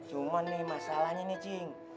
cuma nih masalahnya nih cing